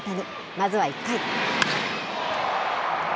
まずは１回。